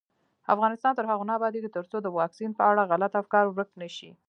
افغانستان تر هغو نه ابادیږي، ترڅو د واکسین په اړه غلط افکار ورک نشي.